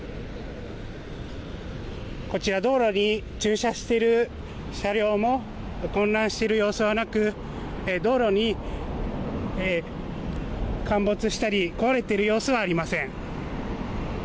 こちら道路に駐車している車両も混乱している様子はなく道路に陥没したり壊れている様子はありません。